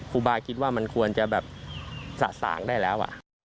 ครูบาคิดว่ามันควรจะแบบสะสางได้แล้ว